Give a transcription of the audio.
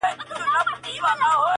بس لکه تندر پر مځکه لوېږې!